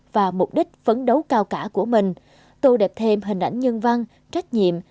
và mục đích phấn đấu cao cả của mình tô đẹp thêm hình ảnh nhân văn trách nhiệm